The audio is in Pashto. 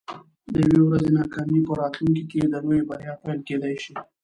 د یوې ورځې ناکامي په راتلونکي کې د لویې بریا پیل کیدی شي.